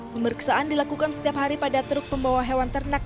pemeriksaan dilakukan setiap hari pada truk pembawa hewan ternak